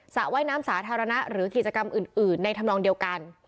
ระว่ายน้ำสาธารณะหรือกิจกรรมอื่นในธรรมนองเดียวกัน